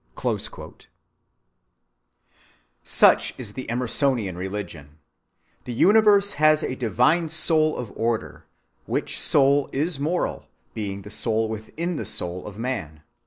(10) Such is the Emersonian religion. The universe has a divine soul of order, which soul is moral, being also the soul within the soul of man.